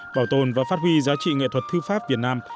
bảo tồn và phát huy giá trị nghệ thuật thư pháp việt nam